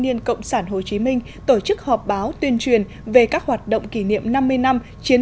niên cộng sản hồ chí minh tổ chức họp báo tuyên truyền về các hoạt động kỷ niệm năm mươi năm chiến